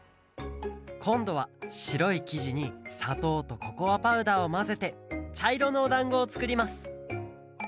こんどはしろいきじにさとうとココアパウダーをまぜてちゃいろのおだんごをつくります。